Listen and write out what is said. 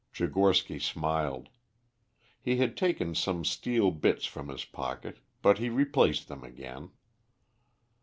Tchigorsky smiled. He had taken some steel bits from his pocket, but he replaced them again.